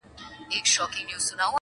بدوي ټولنه توره څېره لري ډېر,